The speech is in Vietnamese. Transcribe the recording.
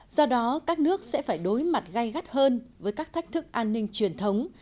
do đó các nước sẽ phải đối mặt gai gắt hơn với các thách thức an ninh truyền thống